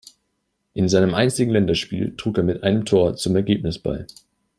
In seinem einzigen Länderspiel trug er mit einem Tor zum Ergebnis bei.